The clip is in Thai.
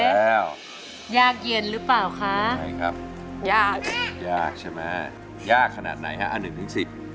เพื่อรับความรับทราบของคุณ